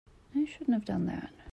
I shouldn't have done that.